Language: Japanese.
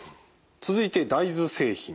続いて大豆製品。